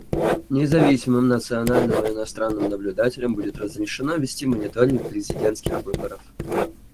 Независимым национальным и иностранным наблюдателям будет разрешено вести мониторинг президентских выборов.